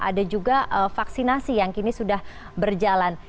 ada juga vaksinasi yang kini sudah berjalan